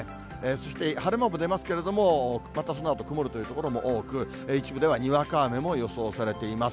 そして晴れ間も出ますけれども、またそのあと曇るという所も多く、一部ではにわか雨も予想されています。